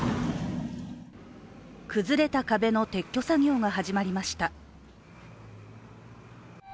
崩れた壁の撤去作業が始まりました。